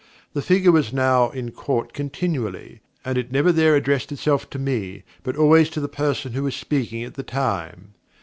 The figure was now in Court continually, and it never there addressed itself to me, but always to the person who was speaking at the time.